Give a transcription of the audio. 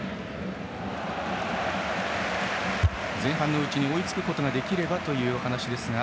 前半のうちに追いつくことができればというお話でしたが。